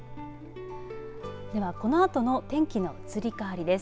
では、このあとの天気の移り変わりです。